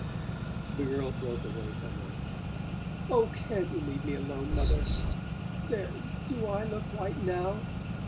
The girl broke away from her. "Oh, can't you leave me alone, mother? There do I look white NOW?"